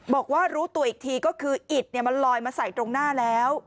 บอกว่ารู้ตัวอีกทีก็คืออิดมันลอยมาใส่ตรงหน้าแล้ว